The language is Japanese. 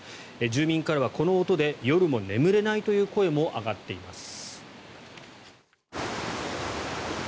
住民からはこの音で夜も眠れないという声も上がっています。